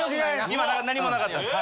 今何もなかったです。